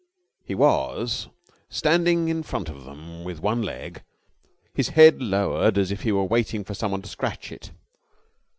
He was standing in front of them with one leg, his head lowered as if he were waiting for someone to scratch it.